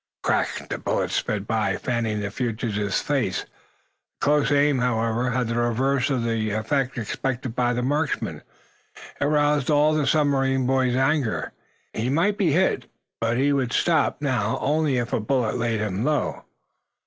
Crack! The bullet sped by, fanning the fugitive's face. The close aim, however, had the reverse of the effect expected by the marksman. It roused all the submarine boy's anger. He might be hit, but he would stop, now, only if a bullet laid him low.